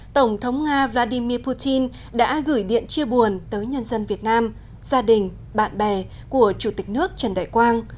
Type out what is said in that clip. tổng thống nga vladimir putin đã gửi điện chia buồn tới nhân dân việt nam gia đình bạn bè của chủ tịch nước trần đại quang